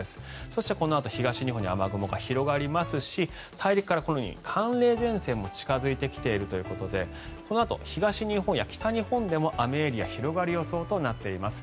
そして、このあと東日本に雨雲が広がりますし大陸から寒冷前線も近付いてきているということでこのあと東日本や北日本でも雨エリアが広がる予想となっています。